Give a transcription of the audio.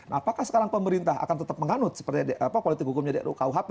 apakah sekarang pemerintah akan tetap menganut seperti politik hukumnya di rukuhp